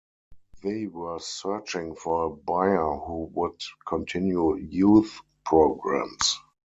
They were searching for a buyer who would continue youth programs.